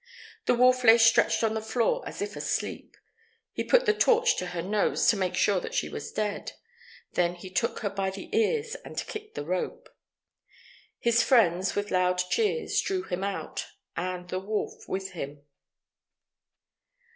The wolf lay stretched on the floor as if asleep. He put the torch to her nose to make sure that she was dead. Then he took her by the ears and kicked the rope. His friends, with loud cheers, drew him out, and the wolf with him.